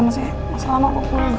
masih lama aku ke rumah